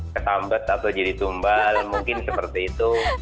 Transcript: kesambet atau jadi tumbal mungkin seperti itu